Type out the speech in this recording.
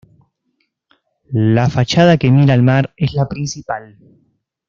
La fachada que mira al mar es la principal.